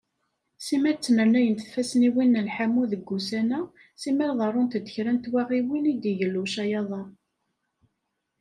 Simal ttnernayent tfesniwin n lḥamu deg wussan-a, simal ḍerrunt-d kra n twaɣiyin i d-igellu ucayaḍ-a.